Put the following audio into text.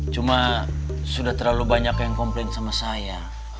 cuma sudah terlalu banyak yang komplain sama saya